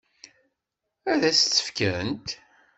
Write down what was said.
Ad s-tt-fkent?